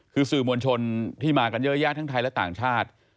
คือสื่อมวลชนที่มากันเยอะแยะทั้งไทยและต่างชาติ